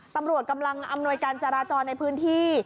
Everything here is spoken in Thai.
ตำรวจกำลังอำนวยการจราจรในพื้นที่